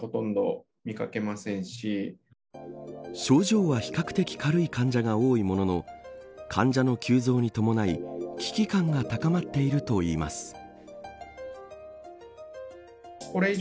症状は、比較的軽い患者が多いものの患者の急増に伴い危機感が高まっているといいます。